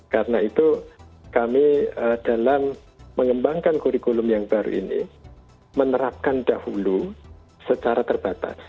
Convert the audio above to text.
karena itu kami dalam mengembangkan kurikulum yang baru ini menerapkan dahulu secara terbatas